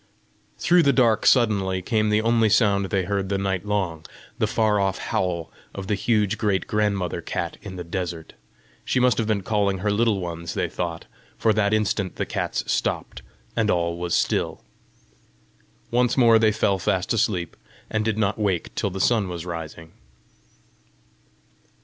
Through the dark suddenly, came the only sound they heard the night long the far off howl of the huge great grandmother cat in the desert: she must have been calling her little ones, they thought, for that instant the cats stopped, and all was still. Once more they fell fast asleep, and did not wake till the sun was rising.